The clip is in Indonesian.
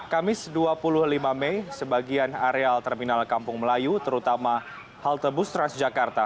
kamis dua puluh lima mei sebagian areal terminal kampung melayu terutama halte bus transjakarta